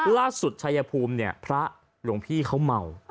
ล่าสุดไชยภูมิพระโรงพี่เค้าเมา